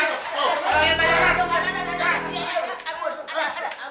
masalah bubur pakai cicak